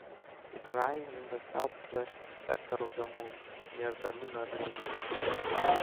It lies in the southwest sector of the Moon, near the lunar limb.